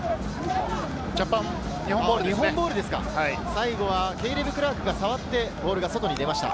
最後はケイレブ・クラークが触ってボールが外に出ました。